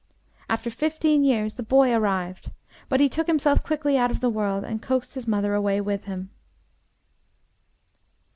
After fifteen years the boy arrived, but he took himself quickly out of the world and coaxed his mother away with him."